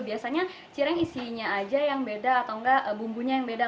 biasanya cireng isinya aja yang beda atau enggak bumbunya yang beda